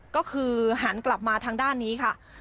ก็คือหันกลับมาทางด้านนี้ค่ะ